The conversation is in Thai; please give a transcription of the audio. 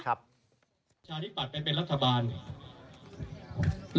ชาวที่ปัดเป็นเป็นรัฐบาล